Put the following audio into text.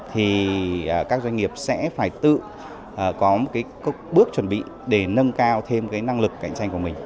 thì các doanh nghiệp sẽ phải tự có một bước chuẩn bị để nâng cao thêm cái năng lực cạnh tranh của mình